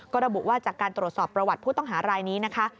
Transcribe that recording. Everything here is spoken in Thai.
ก็ระบุว่าจากการตรวจสอบประวัติผู้ต้องหารายนี้นะคะ